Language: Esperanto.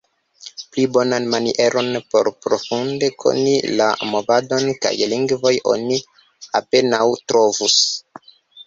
Pli bonan manieron por profunde koni la movadon kaj lingvon oni apenaŭ trovus.